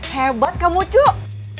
hebat kamu cuk